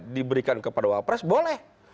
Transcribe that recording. diberikan kepada wakil pres boleh